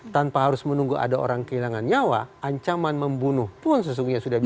tanpa harus menunggu ada orang kehilangan nyawa ancaman membunuh pun sesungguhnya sudah bisa